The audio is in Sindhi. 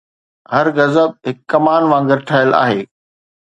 هر غضب هڪ ڪمان وانگر ٺهيل آهي